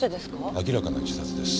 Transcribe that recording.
明らかな自殺です。